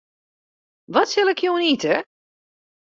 Wat sil ik jûn ite?